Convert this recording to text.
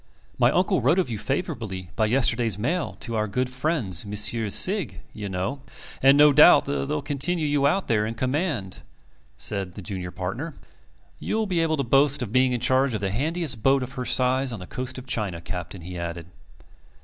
"My uncle wrote of you favourably by yesterday's mail to our good friends Messrs. Sigg, you know and doubtless they'll continue you out there in command," said the junior partner. "You'll be able to boast of being in charge of the handiest boat of her size on the coast of China, Captain," he added.